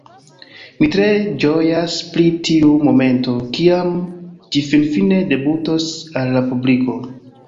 Mi tre ĝojas pri tiu momento, kiam ĝi finfine debutos al la publiko